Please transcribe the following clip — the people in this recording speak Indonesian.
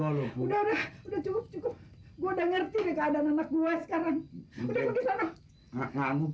udah udah cukup cukup gua udah ngerti keadaan anak gue sekarang udah udah sana kamu